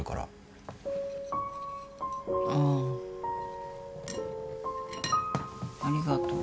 ああありがとう。